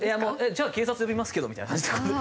「じゃあ警察呼びますけど」みたいな感じとか。